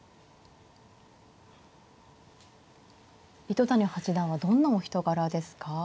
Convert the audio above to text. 糸谷八段はどんなお人柄ですか。